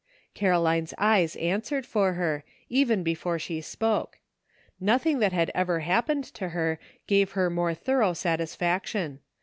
Caroline's eyes answered for her, even before she spoke ; nothing that had ever happened to her gave her more thorough satisfaction.